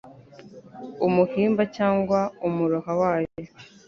Umuhimba cyangwa umuroha wayo